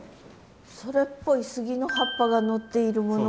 それっぽい杉の葉っぱがのっているものが。